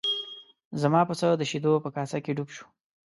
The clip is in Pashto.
زما پسه د شیدو په کاسه کې ډوب شو.